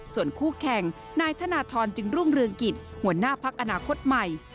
ส่วนคู่แข่งนายธนทรจึงรุ่งเรืองกิจหัวหน้าพักอนาคตใหม่